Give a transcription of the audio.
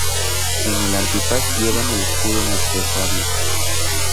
En el antifaz llevan el escudo mercedario.